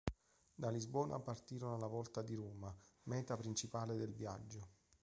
Da Lisbona partirono alla volta di Roma, meta principale del viaggio.